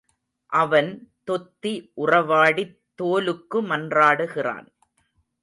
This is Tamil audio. அவன் தொத்தி உறவாடித் தோலுக்கு மன்றாடுகிறான்.